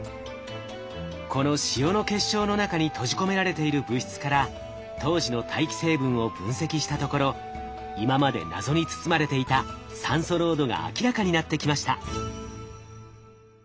この塩の結晶の中に閉じ込められている物質から当時の大気成分を分析したところ今まで謎に包まれていた酸素濃度が明らかになってきました。